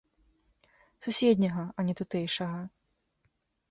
Суседняга, а не тутэйшага.